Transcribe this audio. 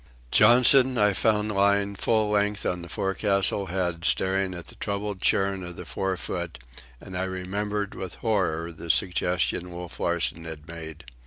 Johnson I found lying full length on the forecastle head, staring at the troubled churn of the forefoot, and I remembered with horror the suggestion Wolf Larsen had made.